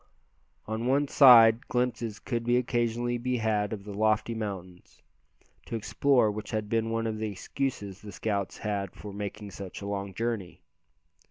On one side glimpses could occasionally be had of the lofty mountains, to explore which had been one of the excuses the scouts had for making such a long journey.